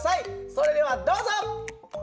それではどうぞ！